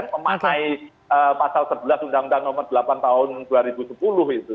memaknai pasal sebelas undang undang nomor delapan tahun dua ribu sepuluh itu